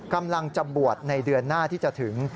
กำลังจะบวชในเดือนหน้าที่จะถึง